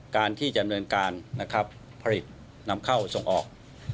การที่จะดำเนินการนะครับผลิตนำเข้าส่งออก